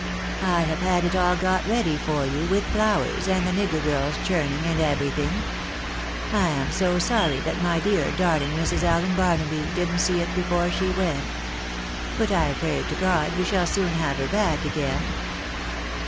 I have had it all got ready for you, with flowers, and the nigger girls churning, and everything. L am so sorry that my dear, dar ling Mrs. Allen Barnaby, didn't see it before she went. But I pray to God we shall soon have her back again."